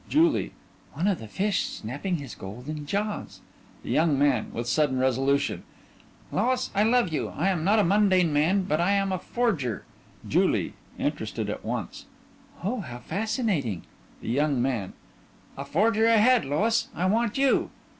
JULIE: One of the fish snapping his golden jaws. THE YOUNG MAN: (With sudden resolution) Lois, I love you. I am not a mundane man but I am a forger JULIE: (Interested at once) Oh, how fascinating. THE YOUNG MAN: a forger ahead. Lois, I want you.